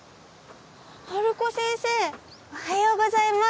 治子先生おはようございます。